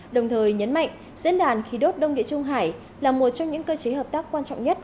đồng thời nhấn mạnh diễn đàn khí đốt đông địa trung hải là một trong những cơ chế hợp tác quan trọng nhất